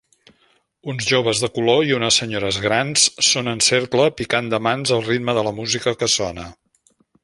Uns joves de color i unes senyores grans són en cercle picant de mans al ritme de la música que sona.